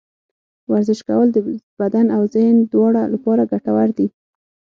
ورزش کول د بدن او ذهن دواړه لپاره ګټور دي.